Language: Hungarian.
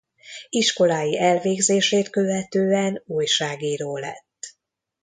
Iskolái elvégzését követően újságíró lett.